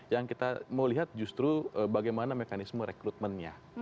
yang kita mau lihat justru bagaimana mekanisme rekrutmennya